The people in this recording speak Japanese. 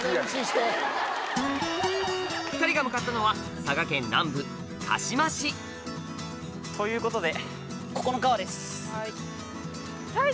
２人が向かったのは佐賀県南部鹿島市ということで。